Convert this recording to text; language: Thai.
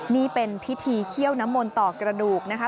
นี่เป็นพิธีเขี้ยวน้ำมนต์ต่อกระดูกนะคะ